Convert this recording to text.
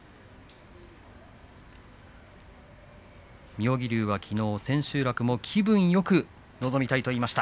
妙義龍は、きのう千秋楽も気分よく臨みたいと言いました。